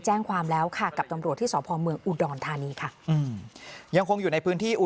แจ้งความแล้วค่ะกับตำรวจที่สพเมืองอุดรทานีค่ะ